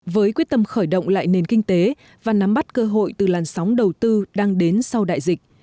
với quyết tâm khởi động lại nền kinh tế và nắm bắt cơ hội từ làn sóng đầu tư đang đến sau đại dịch